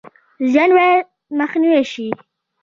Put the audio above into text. زیان باید مخنیوی شي